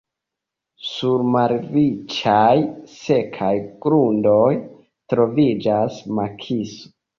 Sur malriĉaj, sekaj grundoj troviĝas makiso.